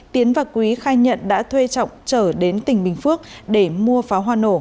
tiến và quý khai nhận đã thuê trọng trở đến tỉnh bình phước để mua pháo hoa nổ